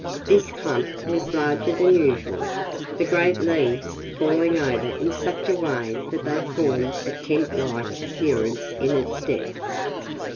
This clump was larger than usual, the great leaves falling over in such a way that they formed a tent like appearance in its depths.